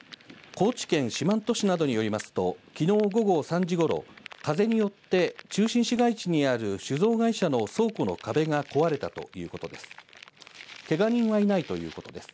高知県四万十市などによりますと、きのう午後３時頃、風によって、中心市街地にある酒造会社の倉庫の壁が壊れたということです。